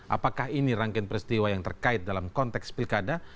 apakah ini rangkaian peristiwa yang terkait dalam konteks pilkada